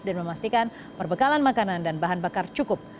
dan memastikan perbekalan makanan dan bahan bakar cukup